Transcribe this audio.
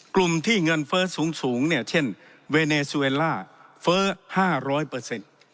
กลุ่มที่เงินเฟิร์สสูงเช่นเวเนซิเวลล่าเฟิร์ส๕๐๐